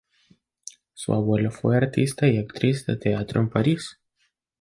Su abuela fue artista y actriz de teatro en París.